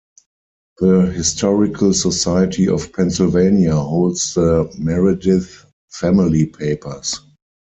The Historical Society of Pennsylvania holds the Meredith family papers.